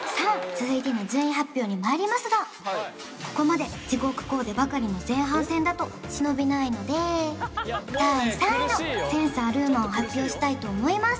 続いてのここまで地獄コーデばかりの前半戦だと忍びないので第３位のセンスあるマンを発表したいと思います